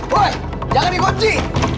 woy jangan dikunci